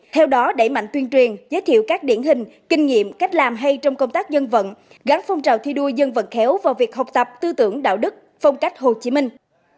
theo đó đẩy mạnh tuyên truyền giới thiệu các điển hình kinh nghiệm cách làm hay trong công tác dân vận gắn phong trào thi đua dân vận khéo vào việc học tập tư tưởng đạo đức phong cách hồ chí minh